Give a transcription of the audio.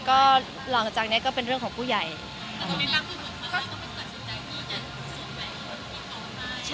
มีปิดฟงปิดไฟแล้วถือเค้กขึ้นมา